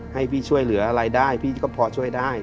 ให้พี่ช่วยเหลืออะไรได้พี่ก็พอช่วยได้